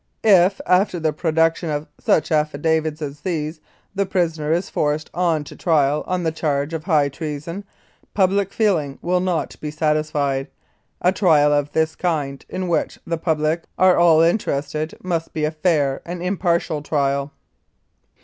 If, after the production of such affidavits as these, the prisoner is forced on to trial on the charge of high treason, public feeling will not be satisfied. A trial of this kind, in which the public are all interested, must be a fair and impartial trial."